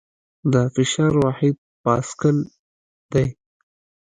د فشار واحد پاسکل دی.